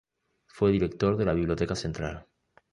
Fue director de la Biblioteca Central.